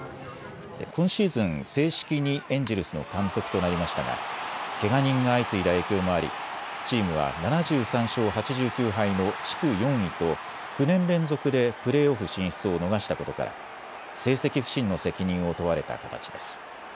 今シーズン、正式にエンジェルスの監督となりましたがけが人が相次いだ影響もありチームは７３勝８９敗の地区４位と９年連続でプレーオフ進出を逃したことから成績不振の責任を問われた形です。